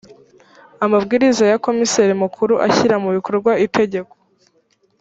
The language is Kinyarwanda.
amabwiriza ya komiseri mukuru ashyira mu bikorwa itegeko